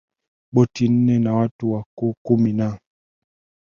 boti nne na watu wa kumi na